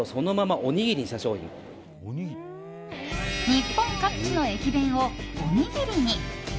日本各地の駅弁をおにぎりに。